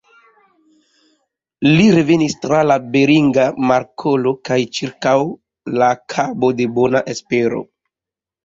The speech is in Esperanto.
Li revenis tra la Beringa Markolo kaj ĉirkaŭ la Kabo de Bona Espero.